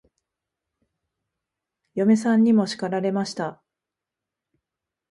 嫁さんにも叱られました。